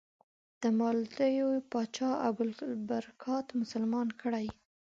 د مالدیو پاچا ابوالبرکات مسلمان کړی.